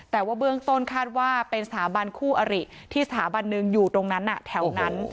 แต่ว่าเบื้องต้นคาดว่าเป็นสถาบันคู่อริที่สถาบันหนึ่งอยู่ตรงนั้นแถวนั้น